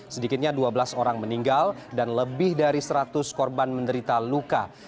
sedikitnya dua belas orang meninggal dan lebih dari seratus korban menderita luka